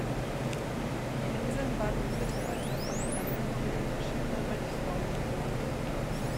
Die Inseln waren im Mittelalter von den Angehörigen verschiedener Mönchsorden bewohnt.